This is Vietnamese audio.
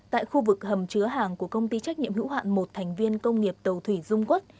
tại khu vực hầm chứa hàng của công ty trách nhiệm hữu hạn một thành viên công nghiệp tàu thủy dung quốc